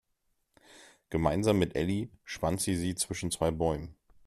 Gemeinsam mit Elli spannt sie sie zwischen zwei Bäumen.